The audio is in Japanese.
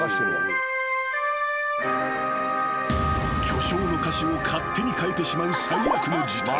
［巨匠の歌詞を勝手に変えてしまう最悪の事態］